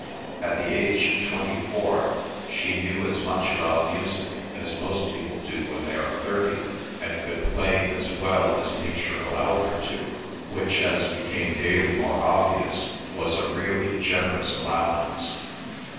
At the age of twenty four she knew as much about music as most people do when they are thirty; and could play as well as nature allowed her to, which, as became daily more obvious, was a really generous allowance.